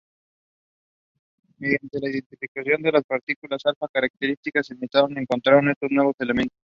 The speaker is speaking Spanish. Mediante la identificación de las partículas alfa características emitidas encontraron estos nuevos elementos.